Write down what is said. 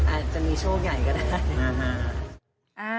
อาจจะมีโชคใหญ่ก็ได้